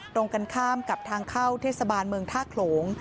ตรงกันข้ามกับทางเข้าเทศบาลเมืองท่าโขลง